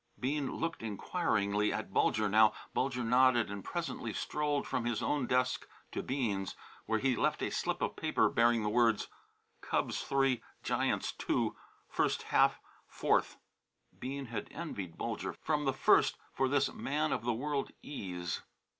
Bean looked inquiringly at Bulger now. Bulger nodded and presently strolled from his own desk to Bean's, where he left a slip of paper bearing the words, "Cubs, 3; Giants, 2; 1st 1/2 4th." Bean had envied Bulger from the first for this man of the world ease.